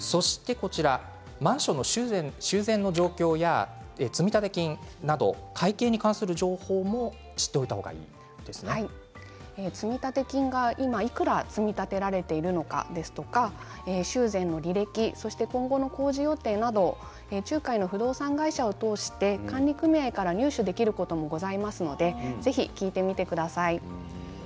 マンションの修繕の状況や積立金など会計に関する情報も知っておいた方がいい積立金が今どれだけ積み立てられているのか修繕の履歴そして今後の工事予定など仲介の不動産会社を通して管理組合から知ることもできますので聞いてみてください。